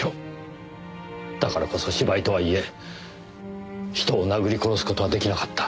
だからこそ芝居とはいえ人を殴り殺す事は出来なかった。